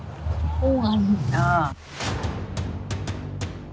ผู้งาน